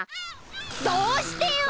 どうしてよ！？